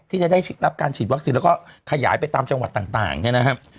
ที่จะได้รับการฉีดวัคซีนแล้วก็ขยายไปตามจังหวัดต่างเนี่ยนะครับ